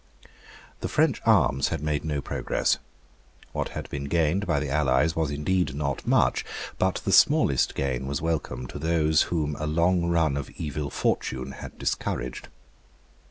The French arms had made no progress. What had been gained by the allies was indeed not much; but the smallest gain was welcome to those whom a long run of evil fortune had discouraged.